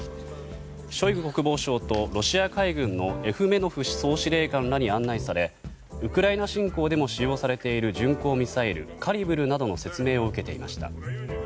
ショイグ国防相とロシア海軍のエフメノフ総司令官らに案内されウクライナ侵攻でも使用されている巡航ミサイル・カリブルなどの説明を受けていました。